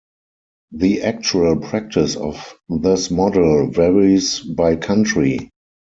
The actual practice of this model varies by country.